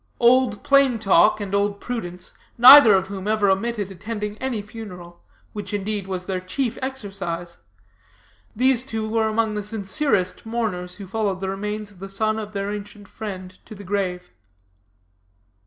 "Old Plain Talk and Old Prudence, neither of whom ever omitted attending any funeral, which, indeed, was their chief exercise these two were among the sincerest mourners who followed the remains of the son of their ancient friend to the grave.